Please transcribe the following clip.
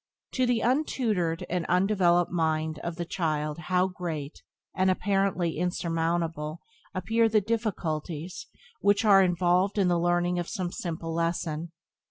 To the untutored and undeveloped mind of the child how great, and apparently insurmountable, appear the difficulties which are involved in the learning of some simple lesson.